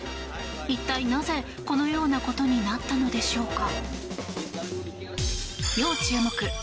一体なぜ、このようなことになったのでしょうか。